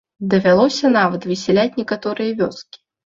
Давялося нават высяляць некаторыя вёскі.